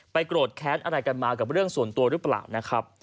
โกรธแค้นอะไรกันมากับเรื่องส่วนตัวหรือเปล่านะครับ